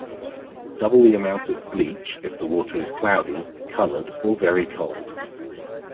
Double the amount of bleach if the water is cloudy, colored, or very cold.